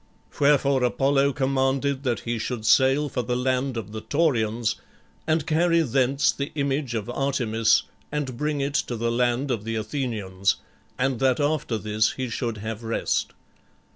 Wherefore Apollo commanded that he should sail for the land of the Taurians and carry thence the image of Artemis and bring it to the land of the Athenians, and that after this he should have rest.